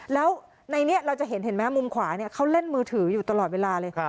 แล้วในนี้เราจะเห็นเห็นไหมมุมขวาเขาเล่นมือถืออยู่ตลอดเวลาเลย